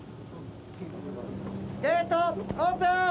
ゲートオープン！